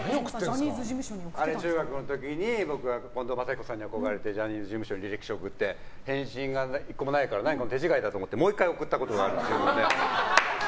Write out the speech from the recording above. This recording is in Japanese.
あれ、中学の時に僕が近藤真彦さんに憧れてジャニーズ事務所に送って返信が一向にないから手違いかと思ってもう１回送ったことがあるというね。